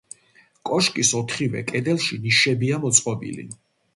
კოშკის ოთხივე კედელში ნიშებია მოწყობილი.